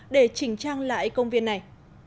để chỉnh trang lại công viên này